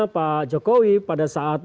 pak jokowi pada saat